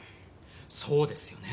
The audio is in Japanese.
そうですよね。